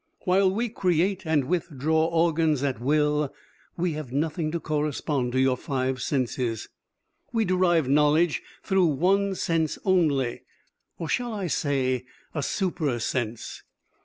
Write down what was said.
"While we create and withdraw organs at will, we have nothing to correspond to your five senses. We derive knowledge through one sense only, or, shall I say, a super sense?